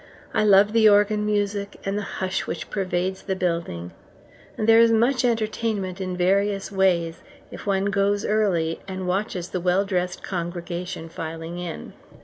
I love the organ music, and the hush which pervades the building; and there is much entertainment in various ways if one goes early and watches the well dressed congregation filing in.